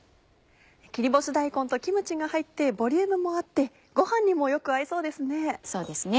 切り干し大根とキムチが入ってボリュームもあってご飯にもよく合いそうですね。